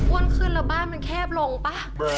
ขึ้นแล้วบ้านมันแคบลงป่ะ